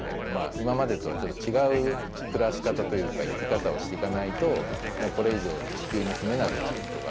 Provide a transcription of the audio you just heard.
今までとはちょっと違う暮らし方というか生き方をして行かないともうこれ以上地球に住めなくなる人が。